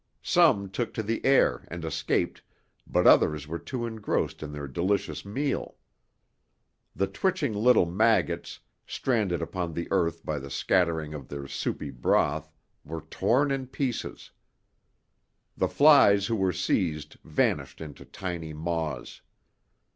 Some took to the air and escaped, but others were too engrossed in their delicious meal. The twitching little maggots, stranded upon the earth by the scattering of their soupy broth, were torn in pieces. The flies who were seized vanished into tiny maws.